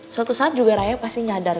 suatu saat juga raya pasti nyadar